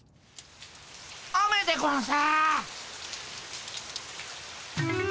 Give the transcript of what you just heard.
雨でゴンス。